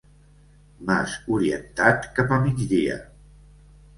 Mas orientat cap a migdia.